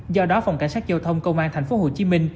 do đó phòng cảnh sát giao thông công an tp hcm